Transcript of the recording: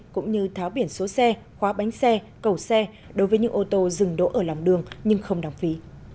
cũng như tháo biển số xe khóa bánh xe cầu xe đối với những ô tô dừng đỗ ở lòng đường nhưng không đăng phí